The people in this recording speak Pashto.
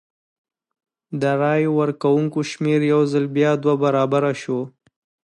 د رای ورکوونکو شمېر یو ځل بیا دوه برابره شو.